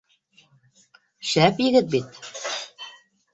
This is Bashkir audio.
Шәп егет бит